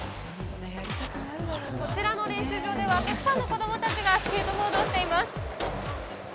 こちらの練習場ではたくさんの子供たちがスケートボードをしています。